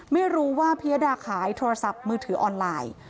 ไม่รู้ว่าพิยดาขายโทรศัพท์มือถือออนไลน์